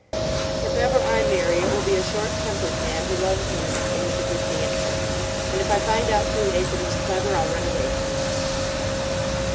If ever I marry it will be a short tempered man who loves music and is a good dancer; and if I find out too late that he's clever I'll run away from him.